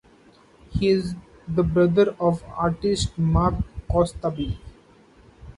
He is the brother of artist Mark Kostabi.